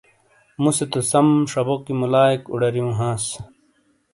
مُوسے تو سم شبوکی ملایئک اُوڈاریوں ہانس۔